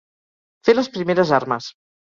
Fer les primeres armes.